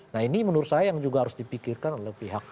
nah ini menurut saya yang juga harus dipikirkan oleh pihak